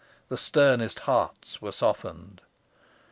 The sternest hearts were softened.